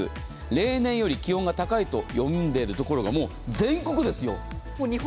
例年より気温が高いと読んでる所がもう全国ですよ。